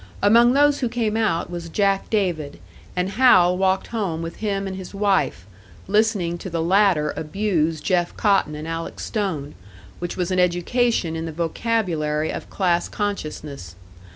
Among those who came out was Jack David, and Hal walked home with him and his wife, listening to the latter abuse Jeff Cotton and Alec Stone, which was an education in the vocabulary of class consciousness.